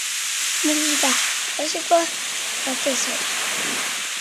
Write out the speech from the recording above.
Musika klasikoa batez ere.